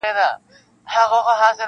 • موږ شهپر دی غلیمانو ته سپارلی -